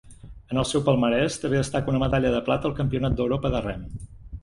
En el seu palmarès també destaca una medalla de plata al Campionat d'Europa de rem.